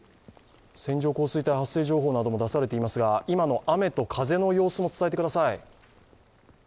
線状降水帯発生情報なども出されていますが今の雨と風の様子も伝えてください。